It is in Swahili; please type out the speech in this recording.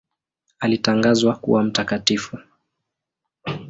Alitangazwa kuwa mtakatifu.